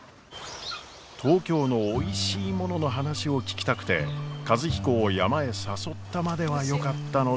東京のおいしいものの話を聞きたくて和彦を山へ誘ったまではよかったのですが。